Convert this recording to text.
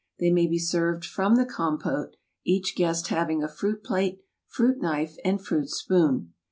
They may be served from the compote, each guest having a fruit plate, fruit knife, and fruit spoon.